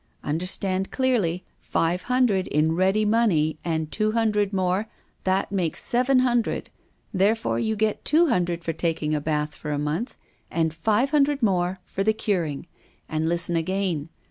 Understand clearly, five hundred in ready money, and two hundred more that makes seven hundred. Therefore you get two hundred for taking a bath for a month and five hundred more for the curing. And listen again!